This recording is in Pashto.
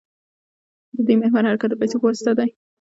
د دې محور حرکت د پیسو په واسطه دی.